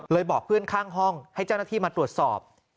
บอกเพื่อนข้างห้องให้เจ้าหน้าที่มาตรวจสอบ